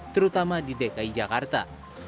terutama di dki jakarta